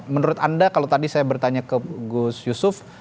menurut anda kalau tadi saya bertanya ke gus yusuf